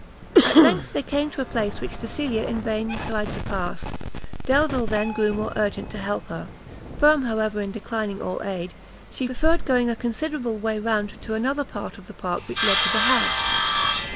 At length they came to a place which Cecilia in vain tried to pass; Delvile then grew more urgent to help her; firm, however, in declining all aid, she preferred going a considerable way round to another part of the park which led to the house.